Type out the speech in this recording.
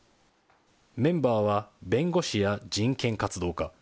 メンバーは弁護士や人権活動家。